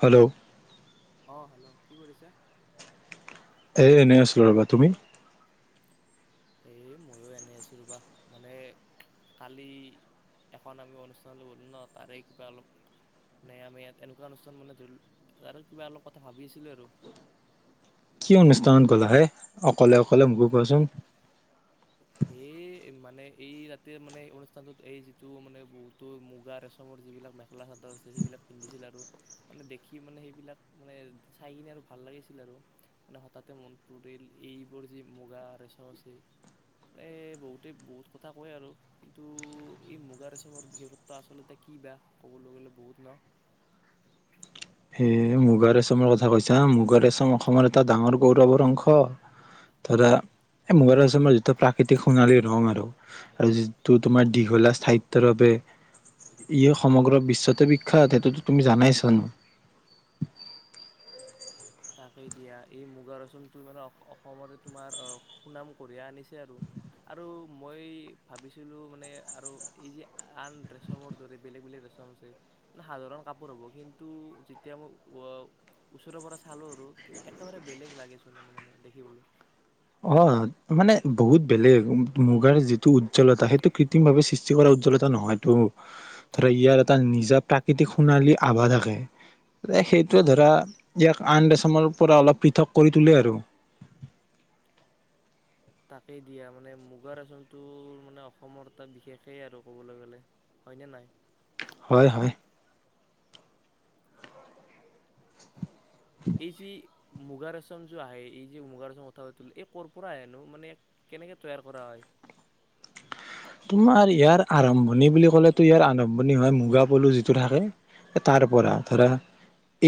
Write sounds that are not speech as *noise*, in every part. Hello অ hello কি কৰিছা? এ এনেই আছিলো ৰ'বা তুমি এ ময়ো এনেই আছো ৰবা মানে কালি এখন আমি অনুষ্ঠানলৈ গ'লো ন তাৰে কিবা অলপ মানে আমি ইয়াত এনেকুৱা অনুষ্ঠান মানে ধৰিলো তাৰে কিবা অলপ কথা ভাবি আছিলো আৰু। কি অনুষ্ঠানত গ'লা হে অকলে অকলে মোকো কোৱাচোন। এই মানে এই ৰাতি মানে অনুষ্ঠানটোত এই যিটো মানে বহুতো মুগা ৰেচমৰ যিবিলাক মেখেলা চাদৰ আছে সেইবিলাক পিন্ধিছিল আৰু মানে দেখি মানে সেইবিলাক মানে চাই কিনে আৰু ভাল লাগিছিল আৰু মানে হঠাতে মন পৰিল এইবোৰ যি মুগা ৰেচম আছে ৷ এ বহুতে বহুত কথা কয় আৰু কিন্তু এই মুগা ৰেচমৰ বিশেষত্ব আচলতে কি বা ক'বলৈ গ'লে বহুত ন? এ মুগাৰ ৰেচমৰ কথা কৈছা মুগাৰেচম অসমৰ এটা ডাঙৰ গৌৰৱৰ অংশ ধৰা এ মুগা ৰেচমৰ যিটো প্ৰাকৃতিক সোণালী ৰং আৰু আৰু যিটো তোমাৰ দীঘলা স্থায়িত্বৰ বাবে ই সমগ্ৰ বিশ্বতে বিখ্যাত সেইটোতো তুমি জনাইছোন! তাকে দিয়া এই মুগা ৰেচমটো মানে অসমৰে তোমাৰ সুনাম কঢ়িয়াই আনিছে আৰু-আৰু মই ভাবিছিলো মানে আৰু এই যে আন ডৰেচমৰ দৰে বেলেগ বেলেগ ৰেচম আছে মে সাধাৰণ কাপোৰ হ'ব কিন্তু যেতিয়া মই ওচৰৰ পৰা চা চালো আৰু কি একেবাৰে বেলেগ লাগেচোন আৰু মানে দেখিবলৈ ৷ অ মানে বহুত বেলেগ মুগাৰ যিটো উজ্জ্বলতা সেইটো কৃত্ৰিম ভাৱে সৃষ্টি কৰা উজ্জ্বলতা নহয়তটো ধৰা ইয়াৰ এটা নিজা প্ৰাকৃতিক সোণালী আভা থাকে সেইটোয়ে ধৰা ইয়াক আন ৰেছমৰ পৰা অলপ পৃথক কৰি তোলে আৰু৷ তাকেই দিয়া মানে মুগাৰ ৰেচনটো মানে অসমৰ তটা বিশেষেই আৰু ক'বলৈ গ'লে হয়নে নাই? হয় হয়৷ এই যি মুগা ৰেচম যো আহে এই যে মুগা ৰচম কথা পালো এই ক পৰা আহেনো মানে কেনেকে তৈয়াৰ কৰা হয়? তোমাৰ ইয়াৰ আৰম্ভণি বুলি ক'লেতো ইয়াৰ আৰম্ভণি হয় মুগা পলু যিটো থাকে তাৰ পৰা ধৰা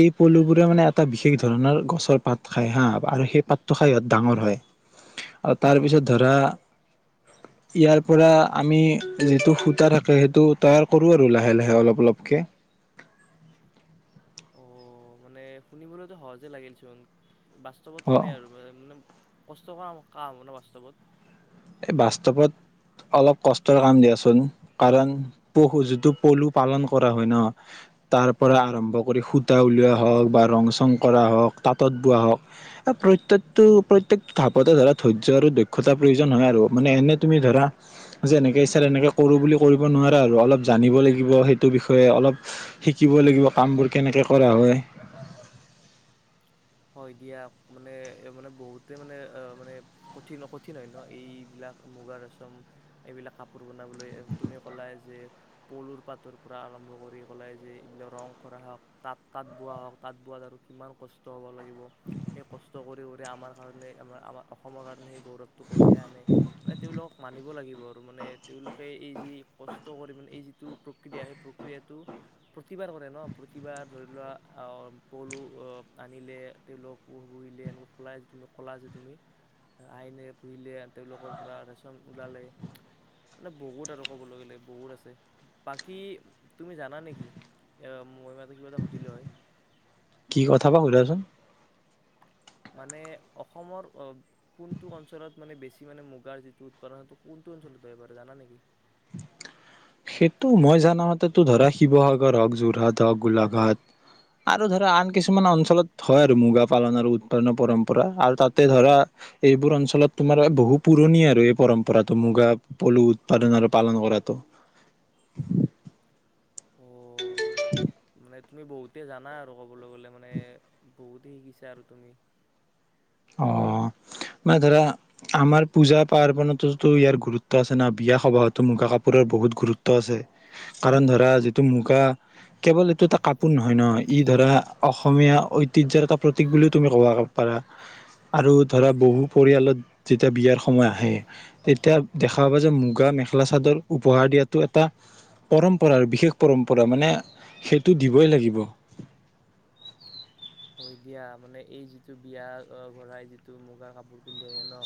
এই পলু বোৰে মানে এটা বিশেষ ধৰণৰ গছৰ পাত খায় হা আৰু সেই পাতটো খাই ইহত ডাঙৰ হয় আৰু তাৰ পিছত ধৰা ইয়াৰ পৰা আমি যিটো সূতা থাকে সেইটো তৈয়াৰ কৰো আৰু লাহে-লাহে অলপ-অলপ কে অ হহজে লাগিলছোন! বাস্তৱত অ কেনে আৰু মানে কষ্ট কৰা ক কাম ন বাস্তৱত? এই বাস্তৱত অলপ কষ্টৰ কাম দিয়াচোন কাৰণ পহু যিটো পলু পালন কৰা হয় ন তাৰ পৰা আৰম্ভ কৰি সূতা উলিওৱা হওক বা ৰং চং কৰা হওক তাঁতত বোৱা হওক প্ৰত্যেক প্ৰত্যেকটো ঘাপতে ধৰা ধৈৰ্য আৰু দক্ষ্তা প্ৰয় নহয় আৰু মানে এনে তুমি ধৰা যে যেনেকে ইচ্ছা তেনেকে কৰো বুলি কৰিব নোৱাৰা আৰু অলপ জানিব লাগিব সেইটো বিষয়ে অলপ শিকিব লাগিব কামবোৰ কেনেকে কৰা হয়৷ হয় দিয়া মানে-মানে বহুতে মানে-মানে কঠিন কঠিন হয় ন এইবিলাক মুগা ৰেচম এইবিলাক কাপোৰ বনাবলৈ তুমি ক'লাই যে পলুৰ পাতৰ পৰা আৰম্ভ কৰি কলাই যে এইবিলাক ৰং কৰা হওক তাঁত-তাঁত বোৱা হওক তাঁত বোৱাত আৰু কিমান কষ্ট হ'ব লাগিব সেই কষ্ট কৰি আমাৰ কাৰণে আমাৰ-আমাৰ অসমৰ কাৰণে সেই গৌৰৱটো কঢ়িয়াই আনে৷ তেওঁলোকক মানিব লাগিব আৰু মানে তেওঁলোকে এই যি কষ্ট কৰি মানে এই যিটো প্ৰক্ৰিয়া সেই প্ৰক্ৰিয়াটো প্ৰতিভাৰ কৰে ন প্ৰতিভাৰ ধৰি লোৱা পলু অ আনিলে তেওঁলোক পহিলে এনেক কলা তু ক'লা যে তুমি আইনে পুহিলে তেওঁলোকৰ পৰা ৰেচন ওলালে মানে বহুত আৰু ক'বলৈ গলে বহুত আছে বাকী তুমি জানা নেকি এ মই কিবা এটা সুধিলো হয়? কি কথাবা সুধাচোন মানে অসমৰ কোনটো অঞ্চলত মানে বেছি মানে মুগাৰ যিটো উৎপাদন সেইটো কোনটো অঞ্চলত বাৰু জানা নেকি? সেইটো মই জানামতেতো ধৰা শিৱসাগৰ হওঁক যোৰহাট হওক গোলাঘাট আৰু ধৰা আন কিছুমান অঞ্চলত হয় আৰু মুগা পালন আৰু উৎপাদনৰ পৰম্পৰা আৰু তাতে ধৰা এইবোৰ অঞ্চলত তোমাৰ বহু পুৰণি আৰু এই পৰম্পৰাটো মুগা পলু উৎপাদন আৰু পালন কৰাটো ৷ ওহ *unintelligible* অ' মানে তুমি বহুতে জানা আৰু ক'বলৈ গ'লে মানে বহুতে শিকিছা আৰু তুমি৷ অ মানে ধৰা আমাৰ পূজা পাৰ্বণতোতো ইয়াৰ গুৰুত্ব আছে না বিয়া সবাহতো মুগা কাপোৰৰ বহুত গুৰুত্ব আছে কাৰণ ধৰা যিটো মুগা কেৱল এইটো এটা কাপোৰ নহয় ন ই ধৰা অসমীয়া ঐতিহ্যৰ এটা প্ৰতীক বুলিও তুমি ক'ব পাৰা৷ আৰু ধৰা বহু পৰিয়ালত যেতিয়া বিয়াৰ সময় আহে তেতিয়া দেখা পাবা যে মুগা মেখেলা চাদৰ উপহাৰ দিয়াতটো এটা পৰম্পৰা আৰু বিশেষ পৰম্পৰা মানে সেইটো দিবই লাগিব৷ হয় দিয়া মানে এই যিটো বিয়া ঘৰাই যিটো মুগাৰ কাপোৰ পিন্ধি আহে ন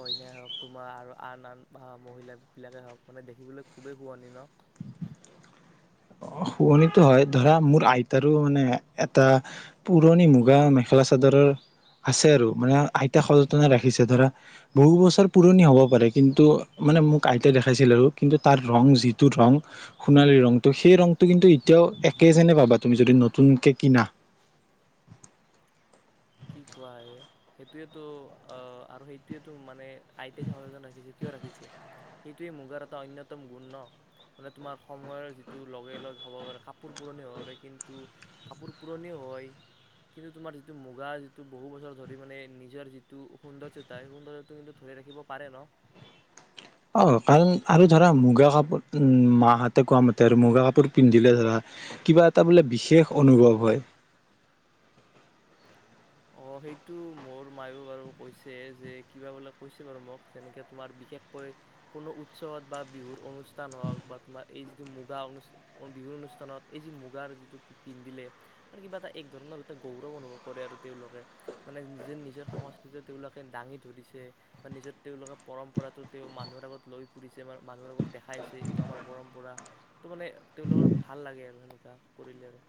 কইনাই হওক তোমাৰ আৰু আন আন মহিল বিলাকে হওক মানে দেখিবলৈ খুবেই শুৱনি ন? অ শুৱনিতো হয় ধৰা মোৰ আইতাৰো মানে এটা পুৰণি মুগা মেখেলা চাদৰৰ আছে আৰু মানে আইতা সযতন ৰাখিছে ধৰা বহু বছৰ পুৰণি হ'ব পাৰে কিন্তু মানে মোক আইতাই দেখাইছিল আৰু কিন্তু তাৰ ৰং যিটো ৰং সোণালী ৰংটো সি সেই ৰংটো কিন্তু এতিয়াও একে যেনে পাবা তুমি যদি নতুনকে কিনা ৷ কি কোৱা য়ে সেইটোৱেটো আহ আৰু সেইটোৱে মানে আইতাই যে সজতনে ৰাখিছে কিয় ৰাখিছে সেইটোৱে মুগাৰ এটা অয়নতম গুণ ন মানে তোমাৰ সময়ৰ যিটো লগে-লগে হ'ব পাৰে কাপোৰ পুৰণি হ'ব পাৰে কিন্তু কাপোৰ পুৰণিও হয় কিন্তু তোমাৰ যিটো মুগ ৱা যিটো বহু বছৰ ধৰি মানে নিজৰ যিটো সৌন্দৰ্যতা সেই সৌন্দৰ্যটো কিন্তু ধৰি ৰাখিব পাৰে ন? অ কাৰণ আৰু ধৰা মুগা কাপোৰ উ মাহঁতে কোৱা মতে আৰু মুগা কাপোৰ পিন্ধিলে ধৰা কিবা এটা বোলে বিশেষ অনুভৱ হয়৷ অ সেইটো মোৰ মায়ও বাৰু কৈছে যে কিবা বোলে কৈছে বাৰু মোক যেনেকে তোমাৰ বিশেষকৈ কোনো উৎসৱত বা বিহুৰ অনুষ্ঠান হওঁক বা তোমাৰ এই যিটো মুগা অনু বিহুৰ অনুষ্ঠানত এই যি মুগাৰ যিটো পিন্ধিলে কিবা এটা এক ধৰণৰ এটা গৌৰৱ অনুভৱ কৰে আৰু তেওঁলোকে মানে নিজে নিজৰ সংস্কৃতিটো তেওঁলোকে দাঙি ধৰিছে বা নিজৰ তেওঁলোকে পৰম্পৰাটো তেওঁ মানুহৰ আগত লৈ ফুৰিছে বা মানুহৰ আগত দেখাইছে এইটো আমাৰ পৰম্পৰা তো মানে তেওঁলোকৰ ভাল লাগে আৰু সে কৰিলে আৰু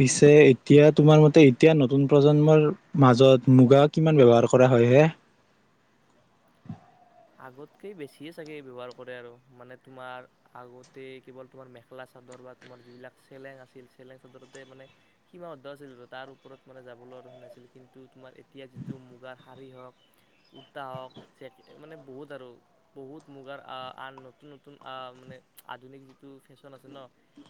পিছে এতিয়া তোমাৰ মতে এতিয়া নতুন প্ৰজন্মৰ মাজত মুগা কিমান ব্যৱহাৰ কৰা হয় হে? আগতকৈ বেছিয়ে চাগে ব্যৱহাৰ কৰে আৰু মানে তোমাৰ আগতেই কেৱল তোমাৰ মেখেলা চাদৰ বা তোমাৰ যিবিলাক চেলেং আছিল চেলেং চাদৰতে মানে সীমাবদ্ধ আছিল আৰু তাৰ ওপৰত মানে যাবলৈ নাছিল কিন্তু তোমাৰ এতিয়া যিটো মুগাৰ শাৰী হওক কুৰ্তা হওক জেক মানে বহুত আৰু বহুত মুগাৰ আন নতুন নতুন মানে আধুনিক যিটো ফেশ্বন আছে ন,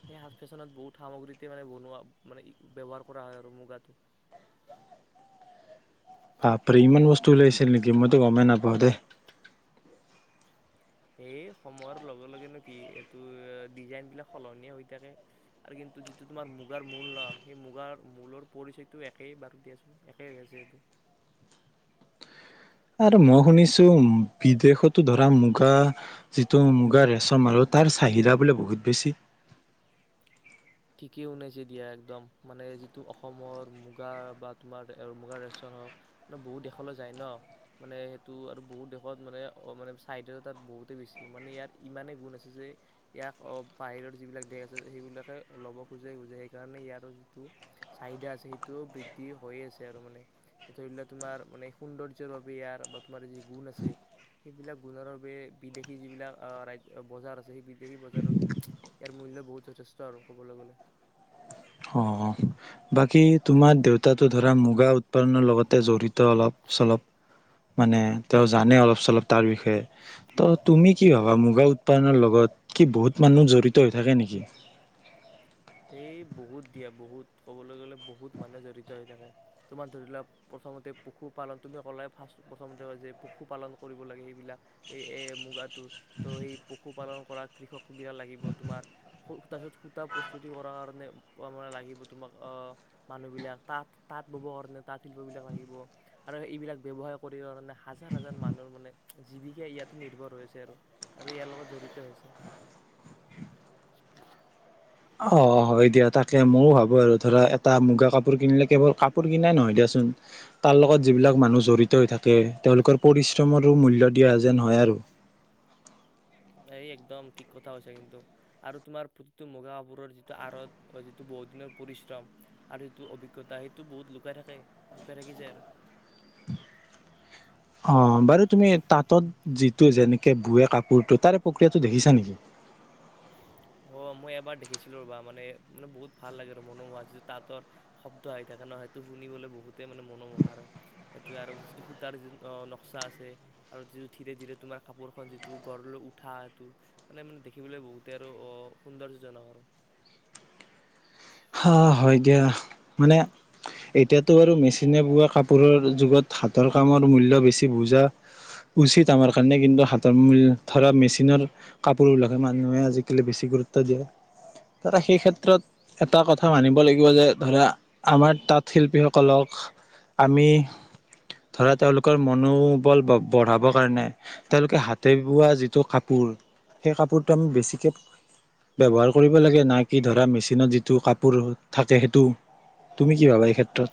সেই ফেশ্বনত বহুত সামগ্ৰীতে মানে বনোৱা মানে ব্যৱহাৰ কৰা হয় আৰু মুগাটো। বাপৰে ইমান বস্তু ওলাইছিল নেকি, মইতো গমেই নাপাওঁ দেই। এয় সময়ৰ লগে লগেনো কি এইটো ডিজাইন বিলাক সলনিয়ে হৈ থাকে আৰু কিন্তু যিটো তোমাৰ মুগাৰ মূল ন সেই মুগাৰ মূলৰ পৰিচয়টো একেই বাৰু দিয়াচোন, একেই হৈ আছে এইটো। আৰু মই শুনিছো বিদেশতো ধৰা মুগা, যিটো মুগা ৰেচম আৰু তাৰ চাহিদা বোলে বহুত বেছি? ঠিকেই ওনাইছে দিয়া একদম, মানে যিটো অসমৰ মুগা বা তোমাৰ মুগা ৰেচম হওক মানে বহুত দেশলৈ যায় ন মানে সেইটো আৰু বহুত দেশত মানে অ মানে ছাইডে তাত বহুতেই বেছি। মানে ইয়াৰ ইমানেই গুণ আছে যে ইয়াক অ বাহিৰৰ যিবিলাক দেশ আছে সেইবিলাকে ল'ব খোজে খোজে সেইকাৰণে ইয়াৰ যিটো চাহিদা আছে সেইটো বৃদ্ধি হৈয়ে আছে আৰু মানে ধৰি লোৱা তোমাৰ মানে সৌন্দৰ্যৰ বাবে ইয়াৰ, বা তোমাৰ যি গুণ আছে, সেইবিলাক গুণৰ বাবে বিদেশী যিবিলাক বজাৰ আছে সেই বিদেশী বজাৰত ইয়াৰ মূল্য বহুত যথেষ্ট আৰু। ক'বলৈ গ'লে অ, বাকী তোমাৰ দেউতাটো ধৰা মুগা উৎপাদনৰ লগতে জড়িত অলপ-চলপ মানে তেওঁ জানে অলপ-চলপ তাৰ বিষয়ে। ত তুমি কি ভাবা মুগা উৎপাদনৰ লগত কি বহুত মানুহ জড়িত হৈ থাকে নেকি? এই বহুত দিয়া বহুত ক'বলৈ গ'লে বহুত মানুহে জড়িত হৈ থাকে। তোমাৰ ধৰি লোৱা প্ৰথমতে পশুপালন তুমি ক'লে ফাৰ্ষ প্ৰথমতে কয় যে পশুপালন কৰিব লাগে সেইবিলাক, এই এ মুগাত ত সেই পশুপালন কৃষক লাগিব তোমাৰ তাৰ পিছত সূতা প্ৰ চুটি কৰাৰ কাৰণে লাগিব তোমাক অহ মানুহবিলাক, তাঁত-তাঁত ববৰ কাৰণে তাঁত শিল্পবিলাক লাগিব আৰু এইবিলাক ব্যৱসায় কৰিব কাৰণে হাজাৰ হাজাৰ মানুহৰ মানে জীৱিকা ইয়াতে নিৰ্ভৰ হৈ হৈছে আৰু, আৰু ইয়াৰ লগত জড়িত হৈছে। অ হয় দিয়া তাকে ময়ো ভাবো আৰু ধৰা এটা মুগা কাপোৰ কিনিলে কেৱল কাপোৰ কিনাই নহয় দিয়াচোন, তাৰ লগত যিবিলাক মানুহ জড়িত হৈ থাকে তেওঁলোকৰ পৰিশ্ৰমৰো মূল্য দিয়া যেন হয় আৰু এই একদম ঠিক কথা হৈছে কিন্তু আৰু তোমাৰ প্ৰতিটো মুগা কাপোৰৰ যিটো আঁৰত, যিটো বহুত দিনৰ পৰিশ্ৰম আৰু যিটো অভিজ্ঞতা সেইটো বহুত লুকাই থাকে, লুকাই থাকিছে আৰু। অ বাৰু তুমি তাঁতত যিটো যেনেকে বুৱে কাপোৰটো তাৰে প্ৰক্ৰিয়াটো দেখিছা নেকি? অ মই এবাৰ দেখিছিলো ৰবা মানে, মানে বহুত ভাল লাগে আৰু মনোমোহা যিটো তাঁতৰ শব্দ আহি থাকে ন সেইটো শুনিবলৈ বহুতে মানে মনোমোহাৰক, সেইটোৱে আৰু যিটো সূতাৰ যি নক্সা আছে আৰু যিটো ধীৰে ধীৰে তোমাৰ কাপোৰখন যিটো গঢ় উঠা সেইটো মানে মানে দেখিবলৈ বহুতে অ পোন্দৰ যোজননা আৰু হা হয় দিয়া, মানে এতিয়াতো বাৰু মেচিনে বোৱা কাপোৰৰ যুগত হাতৰ কামৰ মূল্য বেছি বুজা উচিত আমাৰ কাৰণে কিন্তু হাতৰ মূল ধৰা মেচিনৰ কাপোৰবিলাকে মানুহে আজিকালি বেছি গুৰুত্ব দিয়ে সেই ক্ষেত্ৰত এটা কথা মানিব লাগিব যে ধৰা আমাৰ তাঁত শিল্পীসকলক, আমি ধৰা তেওঁলোকৰ মনোবল ব-বঢ়াবৰ কাৰণে তেওঁলোকে হাতে বোৱা যিটো কাপোৰ সেই কাপোৰটো আমি বেছিকৈ ব্যৱহাৰ কৰিব লাগে নাই কি ধৰা মেচিনত যি যিটো কাপোৰ থাকে সেইটো তুমি কি ভাবা এই ক্ষেত্ৰত?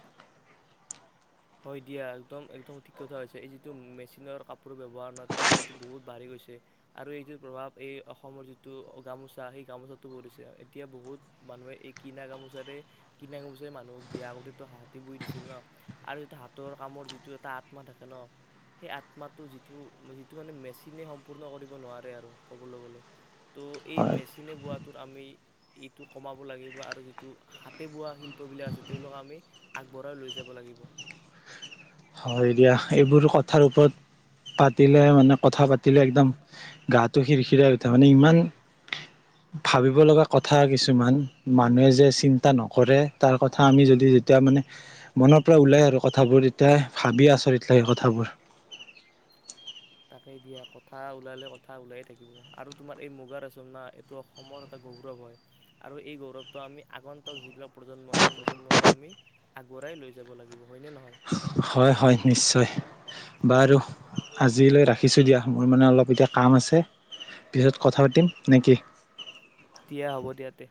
হয় দিয়া একদম একদম ঠিক কথা কৈছা এই যিটো মেচিনৰ কাপোৰ ব্যৱহাৰ ন এইটো বহুত বাঢ়ি গৈছে আৰু এইটো প্ৰভাৱ এই অসমৰ যিটো গামোচা, সেই গামোচাতটো পৰিছে এতিয়া বহুত মানুহে এই কিনা গামোচাৰে, কিনা গামোচাৰে মানুহক দিয়া আগতে হাতী বই দিছিল ন আৰু এইটো হাতৰ কামৰ যিটো এটা আত্মা থাকে ন, সেই আত্মাটো যিটো যিটো মানে মেচিনে সম্পূৰ্ণ কৰিব নোৱাৰে আৰু কবলৈ গলে তো এই হয় মেচিনে বোৱাত তো আমি ইটো কমাব লাগিব আৰু যিটো হাতে বোৱা শিল্প বিলাক আছে তেওঁলোকক আমি আগবঢ়াই লৈ যাব লাগিব। হয় দিয়া এইবোৰ কথাৰ ওপৰত পাতিলে মানে কথা পাতিলে একদম গাটো খিৰখিৰাই উঠে, মানে ইমান ভাবিব লগা কথা কিছুমান মানুহে যে চিন্তা নকৰে তাৰ কথা আমি যদি যেতিয়া মানে মনৰ পৰা ওলাই আৰু কথাবোৰ তেতিয়া ভাবিয়েই আচৰিত লাগে কথাবোৰ। তাকে দিয়া কথা ওলালে কথা ওলায়ে থাকিব আৰু তোমাৰ এই মুগা ৰচমনা এইটো অসমৰ এটা গৌৰৱ হয় আৰু এই গৌৰৱটো আমি আগন্তক যিবিলাক প্ৰজন্ম সেই প্ৰজন্মলৈ আমি আগুৱাই লৈ যাব লাগিব হয়নে নহয় হয় হয় নিশ্চয়, বাৰু আজিলৈ ৰাখ শিচোঁ দিয়া মোৰ মানে অলপ এতিয়া কাম আছে, পিছত কথা পাতিম নে কি? দিয়া হ'ব দিয়া, তে।